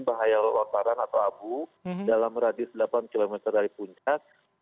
bahaya lontaran atau abu dalam radius delapan km dari puncak